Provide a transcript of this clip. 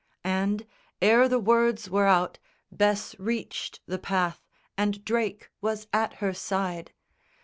And ere the words were out Bess reached the path, and Drake was at her side.